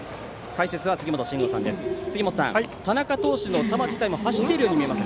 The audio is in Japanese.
解説は杉本真吾さんです。